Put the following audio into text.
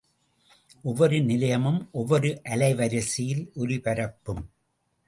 ஒவ்வொரு நிலையமும் ஒவ்வொரு அலைவரிசையில் ஒலிபரப்பும்.